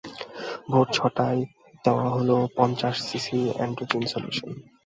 ভোর ছটায় দেওয়া হল পঞ্চাশ সিসি এটোজিন সলুশন।